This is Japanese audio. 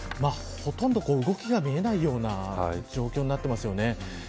ほとんど動きが見えないような状況になっていますよね。